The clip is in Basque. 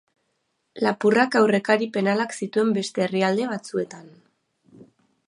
Lapurrak aurrekari penalak zituen beste herrialde batzuetan.